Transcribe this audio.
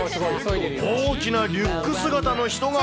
大きなリュック姿の人が。